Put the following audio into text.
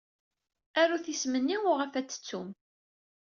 Arut isem-nni uɣaf ad t-tettum.